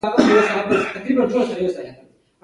د پوهنې په ډګر کې احمد ډېرې تورې وهلې دي.